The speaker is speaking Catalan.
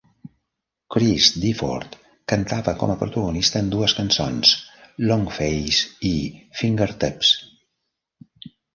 Chris Difford cantava com a protagonista en dues cançons, "Long Face" i "Fingertips".